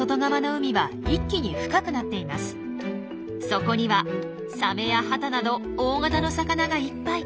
そこにはサメやハタなど大型の魚がいっぱい。